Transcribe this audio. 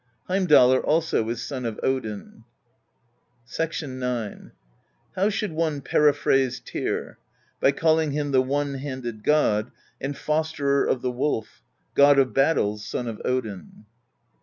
Heimdallr also is son of Odin. IX. " How should one periphrase Tyr ? By calling him the One handed God, and Fosterer of the Wolf, God of Bat tles, Son of Odin.